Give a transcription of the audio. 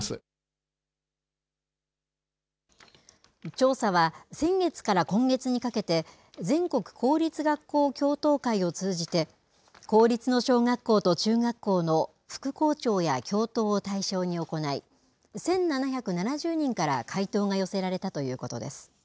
調査は、先月から今月にかけて全国公立学校教頭会を通じて、公立の小学校と中学校の副校長や教頭を対象に行い、１７７０人から回答が寄せられたということです。